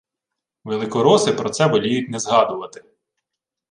Великороси про це воліють не згадувати